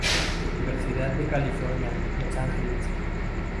Universidad de California, Los Ángeles.